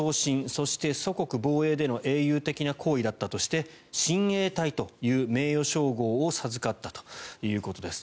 そして、祖国防衛での英雄的な行為だったとして親衛隊という名誉称号を授かったということです。